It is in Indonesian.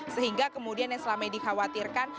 sehingga kemudian yang selama ini dikhawatirkan